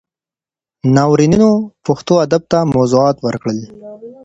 ناورینونو پښتو ادب ته موضوعات ورکړل.